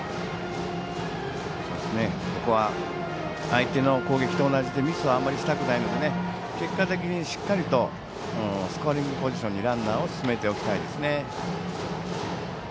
ここは相手の攻撃と同じでミスはあまりしたくないので結果的にしっかりとスコアリングポジションにランナーを進めておきたいですね。